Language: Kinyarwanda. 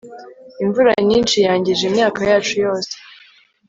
imvura nyinshi yangije imyaka yacu yose